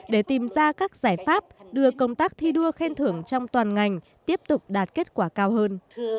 để tìm ra các giải pháp đưa công tác thi đua khen thưởng trong toàn ngành tiếp tục đạt kết quả cao hơn